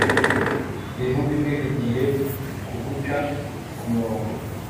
ibintu bimwe bigiye kuguca kumurongo